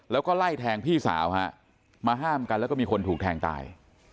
แล้วก็ไล่แทงพี่สาวฮะมาห้ามกันแล้วก็มีคนถูกแทงตาย